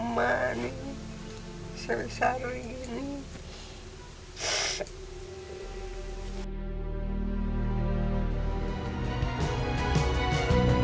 masih nafkah sama emak nih